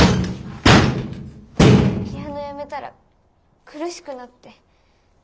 ピアノやめたら苦しくなって。